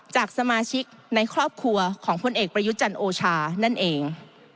จากสมาชิกในครอบครัวของพลเอกประยุจันทร์โอชานั่นเอง